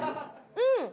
うん！